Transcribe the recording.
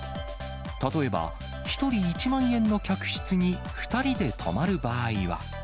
例えば、１人１万円の客室に、２人で泊まる場合は。